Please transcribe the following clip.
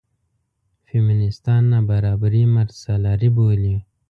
فیمینېستان نابرابري مردسالاري بولي.